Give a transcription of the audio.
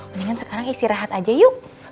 mendingan sekarang isi rehat aja yuk